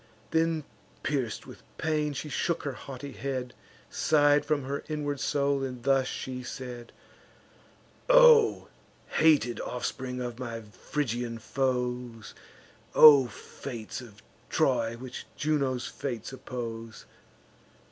Then, pierc'd with pain, she shook her haughty head, Sigh'd from her inward soul, and thus she said: "O hated offspring of my Phrygian foes! O fates of Troy, which Juno's fates oppose!